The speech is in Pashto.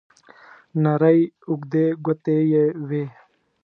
نرۍ اوږدې ګوتې یې وې.